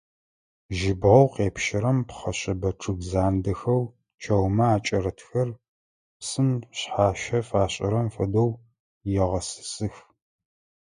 Жьыбгъэу къепщэрэм пхъэшъэбэ чъыг зандэхэу чэумэ акӀэрытхэр, псым шъхьащэ фашӀырэм фэдэу, егъэсысых.